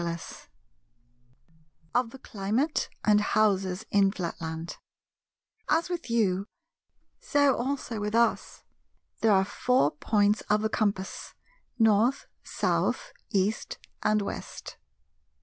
§ 2 Of the Climate and Houses in Flatland As with you, so also with us, there are four points of the compass North, South, East, and West.